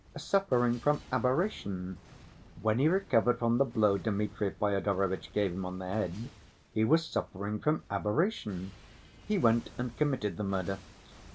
"Suffering from aberration. When he recovered from the blow Dmitri Fyodorovitch gave him on the head, he was suffering from aberration; he went and committed the murder.